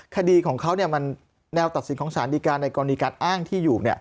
คดีของเขามันแนวตัดสินของสารดีการในกรณีการอ้างที่อยู่